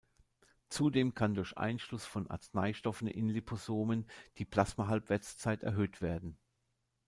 Zudem kann durch Einschluss von Arzneistoffen in Liposomen die Plasmahalbwertszeit erhöht werden.